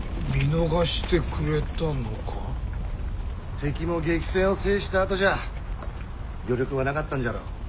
敵も激戦を制したあとじゃ余力はなかったんじゃろう。